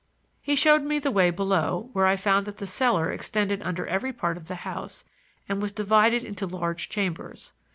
He showed me the way below, where I found that the cellar extended under every part of the house, and was divided into large chambers.